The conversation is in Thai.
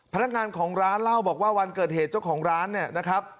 พนักงานของร้านเล่าบอกว่าวันเกิดเหตุเจ้าของร้านเนี่ยนะครับ